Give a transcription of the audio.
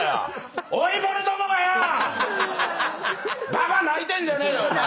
ババア泣いてんじゃねえよお前！